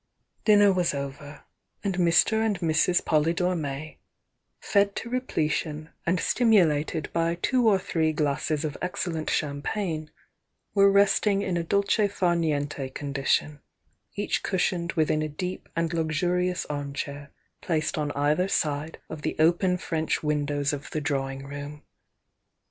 Dinner was over, and Mr. and Mrs. Polydore May, fed to repletion and stimulated by two or three glasses of excellent champagne, were resting in a dolce far niente con dition, each cushioned within a deep and luxurious arm chair placed on either side of the open French windows of the drawing room.